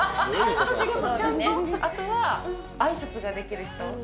あとは、あいさつができる人。